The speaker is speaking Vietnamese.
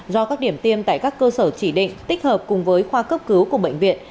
do các điểm tiêm tại các cơ sở chỉ định tích hợp cùng với khoa cấp cứu của bệnh viện